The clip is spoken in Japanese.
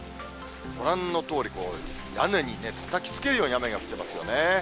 ご覧のとおり、屋根にたたきつけるように、雨が降ってますよね。